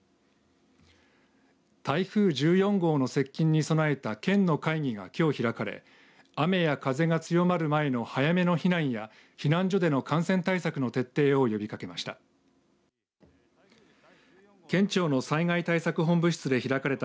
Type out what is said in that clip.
台風１４号の接近に備えた県の会議がきょう開かれ雨や風が強まる前の早めの避難や避難所での感染対策の徹底を呼びかけました。